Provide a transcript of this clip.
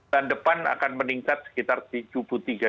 dan depan akan meningkat sekitar tujuh puluh tiga juta